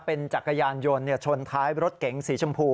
เป็นจักรยานยนต์ชนท้ายรถเก๋งสีชมพู